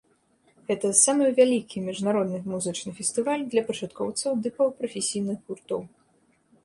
Гэта самы вялікі міжнародны музычны фестываль для пачаткоўцаў ды паўпрафесійных гуртоў.